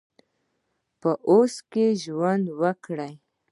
په اوس کې ژوند وکړئ